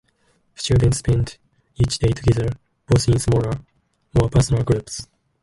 Students spend each day together, both in a smaller, more personal groups.